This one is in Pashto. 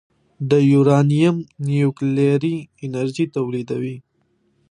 د یورانیم نیوکلیري انرژي تولیدوي.